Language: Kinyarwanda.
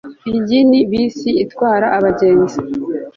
Iyi ni bisi itwara abagenzi